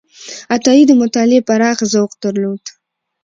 عطایي د مطالعې پراخ ذوق درلود.